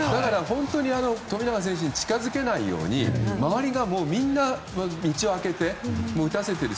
本当に富永選手に近づけないように周りがみんな道を開けて打たせている。